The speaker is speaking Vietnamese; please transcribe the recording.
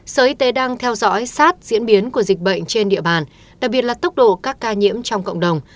sở y tế đang theo dõi sát diễn biến của dịch bệnh trên địa bàn đặc biệt là tốc độ các ca nhiễm trong cộng đồng